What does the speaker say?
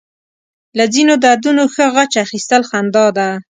له ځينو دردونو ښه غچ اخيستل خندا ده.